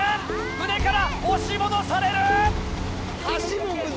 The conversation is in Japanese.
船から押し戻される！